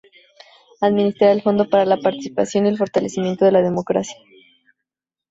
Administrar el Fondo para la Participación y el Fortalecimiento de la Democracia.